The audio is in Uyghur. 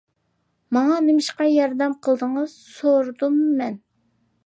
-ماڭا نېمىشقا ياردەم قىلدىڭىز؟ -سورىدىم مەن.